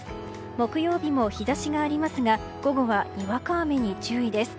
木曜日も日差しがありますが午後はにわか雨に注意です。